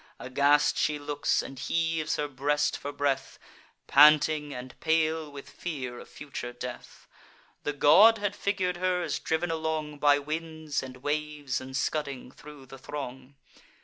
Aghast she looks, and heaves her breast for breath, Panting, and pale with fear of future death. The god had figur'd her as driv'n along By winds and waves, and scudding thro' the throng.